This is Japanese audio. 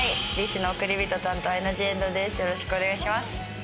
よろしくお願いします。